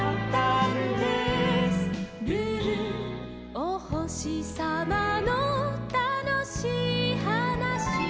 「おほしさまのたのしいはなし」